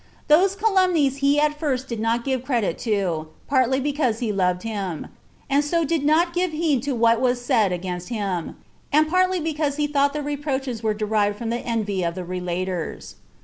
Those calumnies he at first did not give credit to, partly because he loved him, and so did not give heed to what was said against him, and partly because he thought the reproaches were derived from the envy of the relaters.